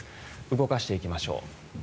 動かしていきましょう。